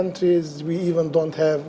kita tidak memiliki pengadil